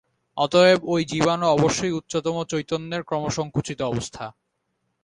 অতএব ঐ জীবাণু অবশ্যই উচ্চতম চৈতন্যের ক্রমসঙ্কুচিত অবস্থা।